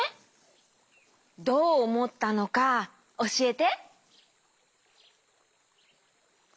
どうおもったのかおしえて。